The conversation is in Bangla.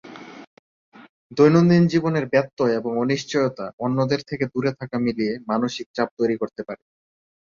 দৈনন্দিন জীবনের ব্যত্যয় এবং অনিশ্চয়তা অন্যদের থেকে দূরে থাকা মিলিয়ে মানসিক চাপ তৈরি করতে পারে।